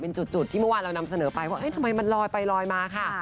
เป็นจุดที่เมื่อวานเรานำเสนอไปว่าทำไมมันลอยไปลอยมาค่ะ